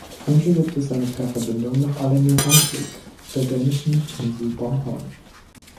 Von hier gibt es eine Fährverbindung nach Allinge-Sandvig auf der dänischen Insel Bornholm.